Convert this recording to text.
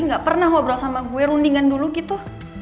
gak pernah ngobrol sama gue rundingan dulu gitu